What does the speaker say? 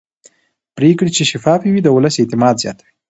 پرېکړې چې شفافې وي د ولس اعتماد زیاتوي